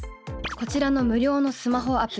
こちらの無料のスマホアプリ。